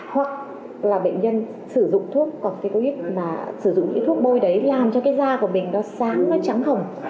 hoặc là bệnh nhân sử dụng thuốc corticoid mà sử dụng những thuốc bôi đấy làm cho cái da của mình nó sáng nó trắng hồng